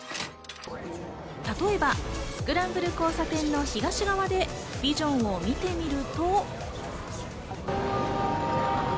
例えば、スクランブル交差点の東側でビジョンを見てみると。